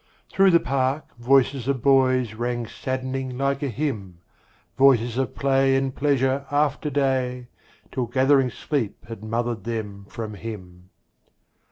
Through the park Voices of boys rang saddening like a hymn, Voices of play and pleasure after day, Till gathering sleep had mothered them from him.